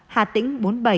hà tĩnh bốn mươi bảy